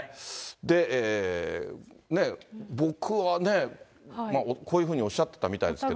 で、僕はね、こういうふうにおっしゃってたみたいですけど。